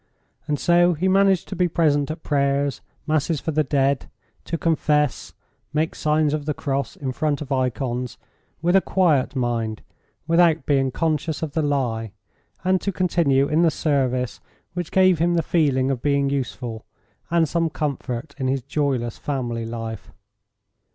And so he managed to be present at prayers, masses for the dead, to confess, make signs of the cross in front of icons, with a quiet mind, without being conscious of the lie, and to continue in the service which gave him the feeling of being useful and some comfort in his joyless family life.